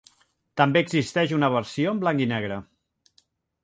També existeix una versió en blanc i negre.